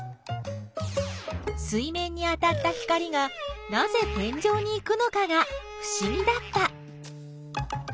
水面に当たった光がなぜ天井に行くのかがふしぎだった。